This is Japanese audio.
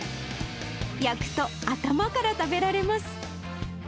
焼くと頭から食べられます。